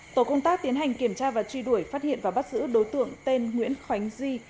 tổ công tác tiến hành kiểm tra và truy đuổi phát hiện và bắt giữ đối tượng tên nguyễn khánh duy